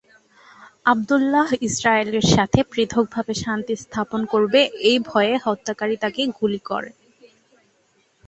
আবদুল্লাহ ইসরায়েলের সাথে পৃথকভাবে শান্তি স্থাপন করবে এই ভয়ে হত্যাকারী তাকে গুলি করে।